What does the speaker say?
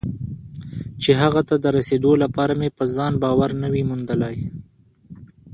چې هغه ته د رسېدو لپاره مې پر ځان باور نه وي موندلی.